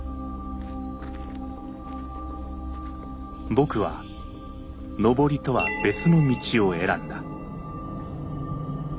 僕は登りとは別の道を選んだ。